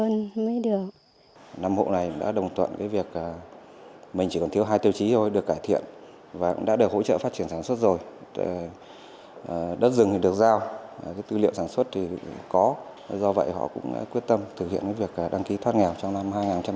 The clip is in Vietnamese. năm hộ này đã đồng thuận cái việc mình chỉ còn thiếu hai tiêu chí thôi được cải thiện và cũng đã được hỗ trợ phát triển sản xuất rồi đất rừng được giao tư liệu sản xuất thì có do vậy họ cũng quyết tâm thực hiện việc đăng ký thoát nghèo trong năm hai nghìn hai mươi